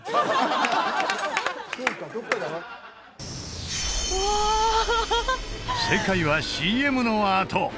そうかどっかで正解はＣＭのあと！